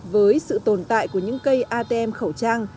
với sự tồn tại của những cây atm khẩu trang